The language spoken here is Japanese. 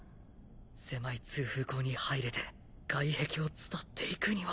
狭い通風口に入れて外壁を伝って行くには。